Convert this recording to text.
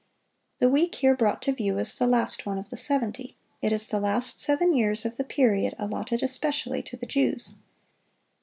The "week" here brought to view is the last one of the seventy; it is the last seven years of the period allotted especially to the Jews.